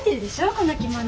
この着物。